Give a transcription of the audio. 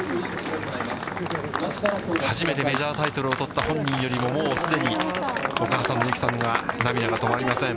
初めてメジャータイトルを取った本人よりも、もうすでにお母さんの有貴さんが涙が止まりません。